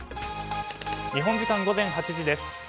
日本時間午前８時です。